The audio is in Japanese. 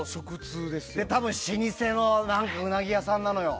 多分老舗のウナギ屋さんなのよ。